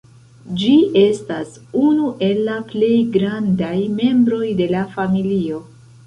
Ĝi estas unu el la plej grandaj membroj de la familio.